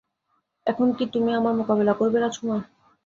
এখন কি তুমি আমার মোকাবিলা করবে, রাজকুমার।